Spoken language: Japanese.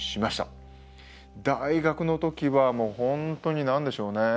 大学の時はもう本当に何でしょうね